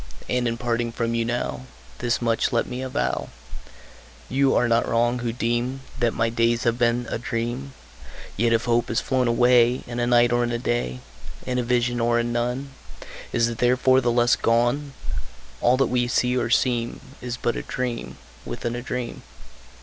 And, in parting from you now, Thus much let me avow You are not wrong, who deem That my days have been a dream: Yet if hope has flown away In a night, or in a day, In a vision or in none, Is it therefore the less gone? All that we see or seem Is but a dream within a dream.